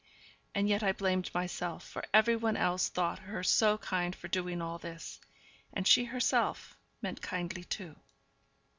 And yet I blamed myself, for every one else thought her so kind for doing all this; and she herself meant kindly, too.